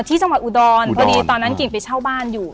ที่จังหวัดอุดรพอดีตอนนั้นกิ่งไปเช่าบ้านอยู่